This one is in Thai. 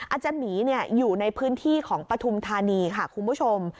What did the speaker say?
อาจารย์หมีอยู่ในพื้นที่ของปฐุมธานีค่ะคุณผู้ชม